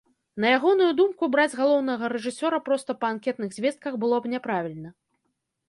На ягоную думку, браць галоўнага рэжысёра проста па анкетных звестках было б няправільна.